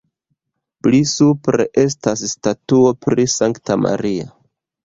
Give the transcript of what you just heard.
Pli supre estas statuo pri Sankta Maria.